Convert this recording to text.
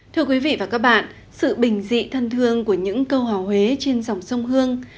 thưa quý vị và các bạn sự bình dị thân thương của những câu hòa huế trên dòng sông hương